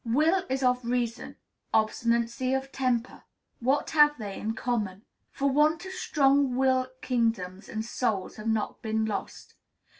Will is of reason; obstinacy, of temper. What have they in common? For want of strong will kingdoms and souls have been lost.